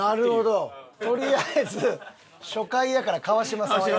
とりあえず初回やから川島さんは呼ぼう。